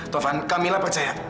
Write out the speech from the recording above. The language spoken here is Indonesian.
tuh van kamila percaya